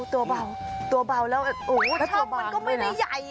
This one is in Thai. ตัวเปล่าแล้วโอ้โฮชอบมันก็ไม่ได้ใหญ่